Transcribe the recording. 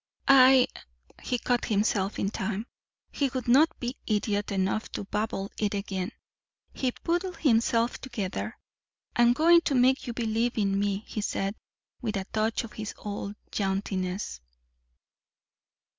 "I " he caught himself in time. He would not be idiot enough to babble it again. He pulled himself together. "I'm going to make you believe in me," he said, with a touch of his old jauntiness.